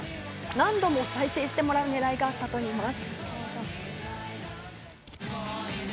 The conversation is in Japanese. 何度も再生してもらう狙いがあるといいます。